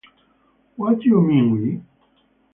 What You Mean We?